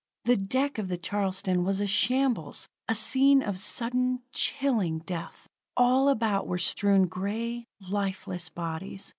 The deck of the Charleston was a shambles a scene of sudden, chilling death. All about were strewn gray, lifeless bodies.